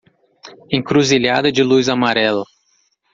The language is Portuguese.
Encruzilhada de luz amarela